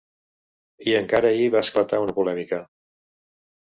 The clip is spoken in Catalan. I encara ahir va esclatar una polèmica.